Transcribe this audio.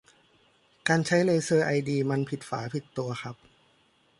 การใช้เลเซอร์ไอดีมันผิดฝาผิดตัวครับ